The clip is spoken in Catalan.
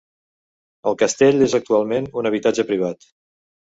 El castell és actualment un habitatge privat.